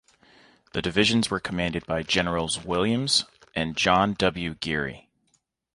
The divisions were commanded by Generals Williams and John W. Geary.